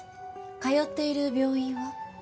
通っている病院は？